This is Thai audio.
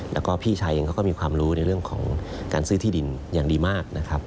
และก็พี่ชัยก็มีความรู้ในเรื่องของการซื้อที่ดินอย่างดีมาก